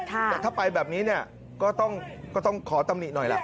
แต่ถ้าไปแบบนี้เนี่ยก็ต้องขอตำหนิหน่อยล่ะ